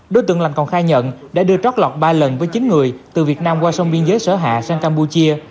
đối tượng lành còn khai nhận đã đưa trót lọt ba lần với chín người từ việt nam qua sông biên giới sở hạ sang campuchia